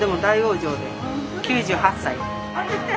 ９８歳！